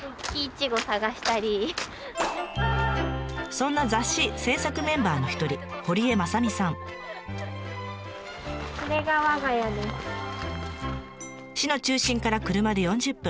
そんな雑誌制作メンバーの一人市の中心から車で４０分。